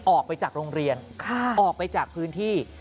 ออกไปจากโรงเรียนออกไปจากพื้นที่